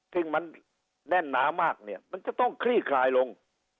ที่มันแน่นหนามากมันจะต้องคลี่คลายลง